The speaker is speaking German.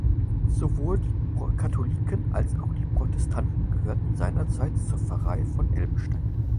Sowohl die Katholiken als auch die Protestanten gehörten seinerzeit zur Pfarrei von Elmstein.